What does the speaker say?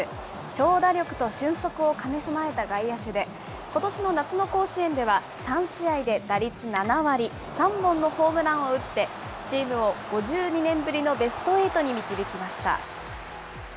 長打力と俊足を兼ね備えた外野手で、ことしの夏の甲子園では３試合で打率７割、３本のホームランを打って、チームを５２年ぶりのベスト８に導きました。